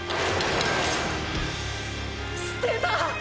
捨てた！！